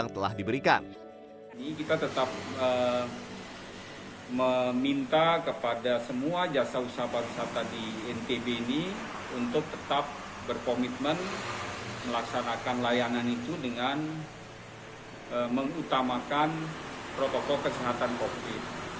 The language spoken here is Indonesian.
ini kita tetap meminta kepada semua jasa usaha pariwisata di ntb ini untuk tetap berkomitmen melaksanakan layanan itu dengan mengutamakan protokol kesehatan covid